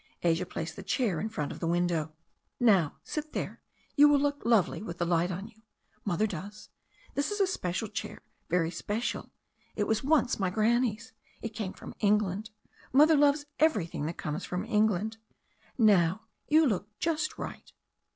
Asia placed the chair in front of the window. "Now, sit there. You will look lovely with the light on THE STORY OF A NEW ZEALAND RIVER 31 you. Mother does. This is a special chair, very special. It was once my granny's. It came from England. Mother loves everything that comes from England. Now, you look just right."